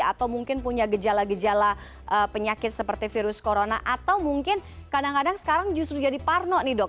atau mungkin punya gejala gejala penyakit seperti virus corona atau mungkin kadang kadang sekarang justru jadi parno nih dok